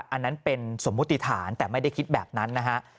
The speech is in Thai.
อันนั้นเป็นสมมุติฐานแต่ไม่ได้คิดแบบนั้นนะฮะ